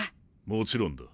もちろんだ。